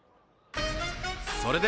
それでは。